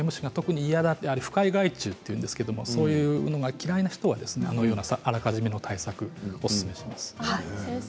不快害虫というんですけれどもそういうのが嫌いな人はあらかじめの対策をおすすめします。